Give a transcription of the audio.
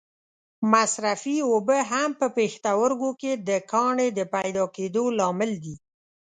مصرفې اوبه هم په پښتورګو کې د کاڼې د پیدا کېدو لامل دي.